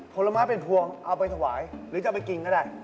ผลไม้เป็นพวงเอาไปถวายหรือจะเอาไปกินก็ได้